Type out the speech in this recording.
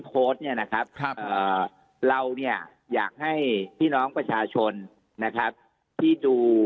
โพสต์เนี่ยนะครับเราเนี่ยอยากให้พี่น้องประชาชนนะครับที่ดู